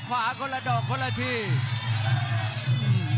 กรรมการเตือนทั้งคู่ครับ๖๖กิโลกรัม